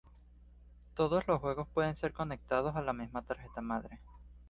Todos los juegos pueden ser conectados a la misma tarjeta madre.